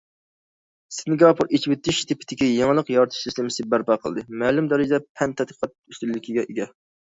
سىنگاپور ئېچىۋېتىش تىپىدىكى يېڭىلىق يارىتىش سىستېمىسى بەرپا قىلدى، مەلۇم دەرىجىدە پەن- تەتقىقات ئۈستۈنلۈكىگە ئىگە.